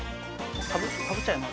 かぶっちゃいます。